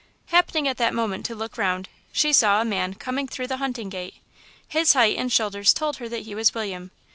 Happening at that moment to look round, she saw a man coming through the hunting gate. His height and shoulders told her that he was William.